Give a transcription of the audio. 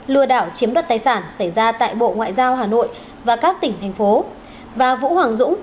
lừa đảo chiếm đoạt tài sản xảy ra tại bộ ngoại giao hà nội và các tỉnh thành phố và vũ hoàng dũng